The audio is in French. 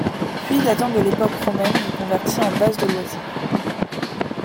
Puits datant de l'époque romaine reconverti en base de loisirs.